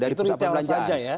itu retail saja ya